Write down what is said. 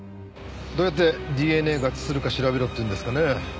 どうやってＤＮＡ合致するか調べろっていうんですかね。